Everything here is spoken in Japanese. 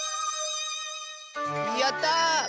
やった！